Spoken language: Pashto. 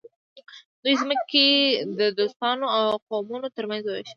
دوی ځمکې د دوستانو او قومونو ترمنځ وویشلې.